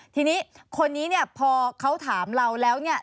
ทีนี้คนนี้เนี่ยพอเขาถามเราแล้วเนี่ย